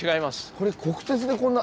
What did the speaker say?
これ国鉄でこんな。